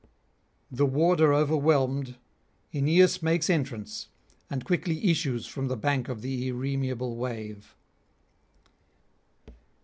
The warder overwhelmed, Aeneas makes entrance, and quickly issues from the bank of the irremeable wave.